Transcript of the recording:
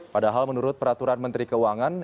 padahal menurut peraturan menteri keuangan